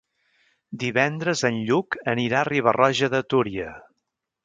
Divendres en Lluc anirà a Riba-roja de Túria.